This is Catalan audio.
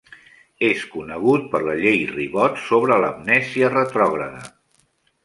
És conegut per la Llei Ribot sobre l'amnèsia retrògrada.